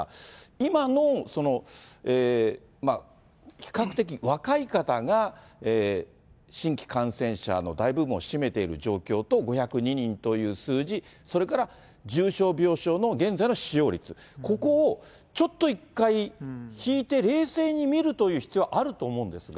今の比較的若い方が新規感染者の大部分を占めている状況と、５０２人という数字、それから重症病床の現在の使用率、ここをちょっと一回ひいて冷静に見るという必要はあると思うんですが。